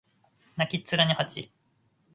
泣きっ面に蜂